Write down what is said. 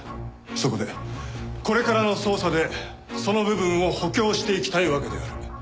そこでこれからの捜査でその部分を補強していきたいわけである。